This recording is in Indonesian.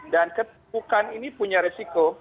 dan ketukuhan ini punya resiko